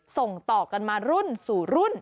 ส่งต่อกันมารุ่นสู่รุ่น